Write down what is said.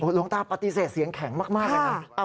หลวงตาปฏิเสธเสียงแข็งมากเลยนะ